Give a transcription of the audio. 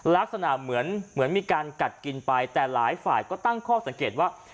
ลักษณะเหมือนเหมือนมีการกัดกินไปแต่หลายฝ่ายก็ตั้งข้อสังเกตว่า